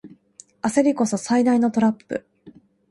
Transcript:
焦りこそ最大のトラップ